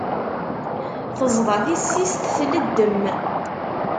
Teẓḍa tissist tleddem.